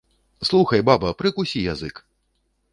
Слухай, баба, прыкусі язык.